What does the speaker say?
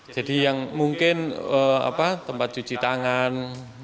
jadi yang mungkin tempat cuci tangan